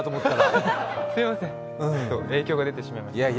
すみません、影響が出てしまいました。